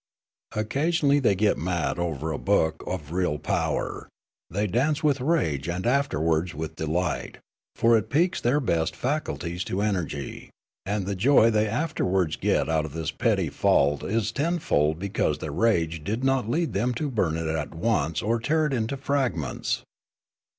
Occa sionally they get mad over a book of real power ; they dance with rage and afterwards with delight, for it piques their best faculties to energy ; and the joy they afterwards get out of its petty faults is tenfold because their rage did not lead them to burn it at once or tear it into fragments.